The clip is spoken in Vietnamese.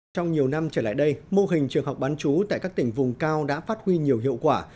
trong nhiều năm trở lại đây mô hình trường học bán chú tại các tỉnh vùng cao đã phát huy nhiều hiệu quả